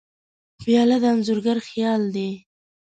پیاله د انځورګر خیال دی.